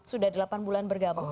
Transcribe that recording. sudah delapan bulan bergabung